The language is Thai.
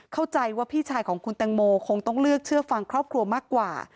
เข้าใจว่าพี่ชายของคุณแตงโมคงต้องเลือกเชื่อฟังครอบครัวมากกว่า